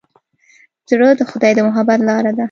زړه د خدای د محبت لاره ده.